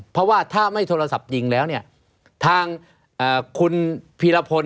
เพราะว่าถ้าไม่โทรศัพท์ยิงแล้วเนี่ยทางคุณพีรพล